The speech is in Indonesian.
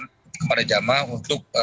kepada jamaah untuk